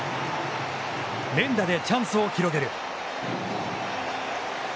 連打でチャンスを広げる。